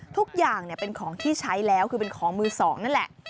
ทุกอย่างเป็นของที่ใช้แล้วคือเป็นของมือสองนั่นแหละ